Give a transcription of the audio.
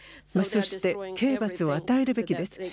そして刑罰を与えるべきです。